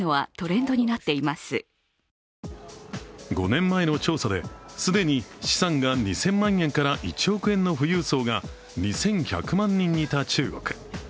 ５年前の調査で、既に資産が２０００万円から１億円の富裕層が２１００万人いた中国。